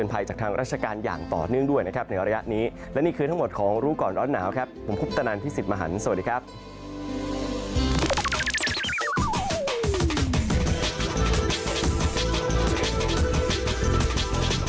โปรดติดตามตอนต่อไป